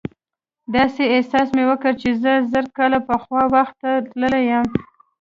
داسې احساس مې وکړ چې زه زر کاله پخوا وخت ته تللی یم.